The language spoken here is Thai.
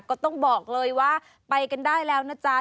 ก็ต้องบอกเลยว่าไปกันได้แล้วนะจ๊ะ